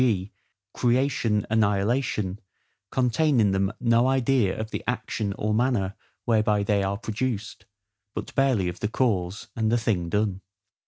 g. CREATION, ANNIHILATION, contain in them no idea of the action or manner whereby they are produced, but barely of the cause, and the thing done.